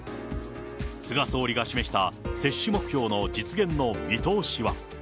菅総理が示した接種目標の実現の見通しは。